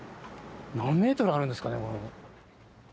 何メートルあるんですかね。